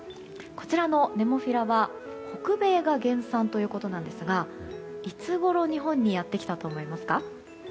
こちらのネモフィラは北米が原産ということですがいつごろ日本にやってきたと思いますか？